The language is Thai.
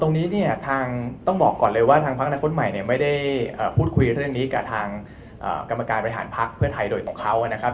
ตรงนี้เนี่ยข้างต้องบอกก่อนเลยแต่ทางภาคอนาคต์ผู้ใหม่ไม่ได้พูดคุยเท่านี้กระทั้งอย่างนี้กระทำการบริถันภักรณ์ไทยโดยของเขานะครับ